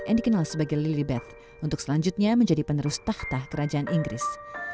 yang dikenal sebagai lilibeth untuk selanjutnya menjadi penerus tahta kerajaan inggris